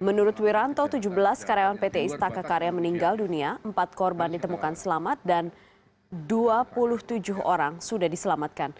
menurut wiranto tujuh belas karyawan pt istaka karya meninggal dunia empat korban ditemukan selamat dan dua puluh tujuh orang sudah diselamatkan